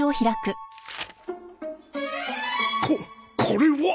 ここれは！？